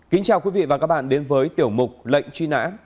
kính chào quý vị và các bạn đến với tiểu mục lệnh truy nã